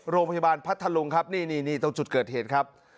โรงพยาบาลพัทธรรมครับนี่ต้องจุดเกิดเหตุครับ